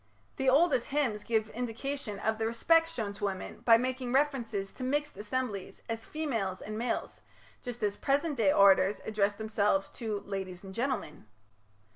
The oldest hymns give indication of the respect shown to women by making reference to mixed assemblies as "females and males", just as present day orators address themselves to "ladies and gentlemen".